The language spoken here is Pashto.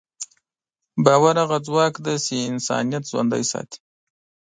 باور هغه ځواک دی چې انسانیت ژوندی ساتي.